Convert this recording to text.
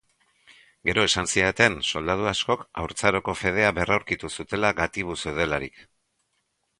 Gero esan zidaten soldadu askok haurtzaroko fedea berraurkitu zutela gatibu zeudelarik.